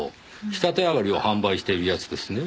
仕立て上がりを販売しているやつですね。